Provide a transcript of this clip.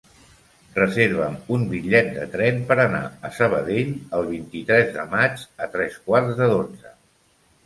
Reserva'm un bitllet de tren per anar a Sabadell el vint-i-tres de maig a tres quarts de dotze.